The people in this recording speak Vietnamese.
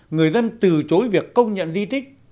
người dân từ chối việc công nhận di tích